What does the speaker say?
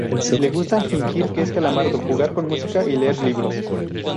Le gusta fingir que es Calamardo, jugar con música y leer libros.